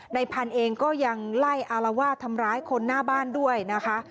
ในพันธุ์เองก็ยังไล่อารวาสทำร้ายคนหน้าบ้านด้วยนะคะ